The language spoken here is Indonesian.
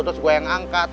terus gue yang angkat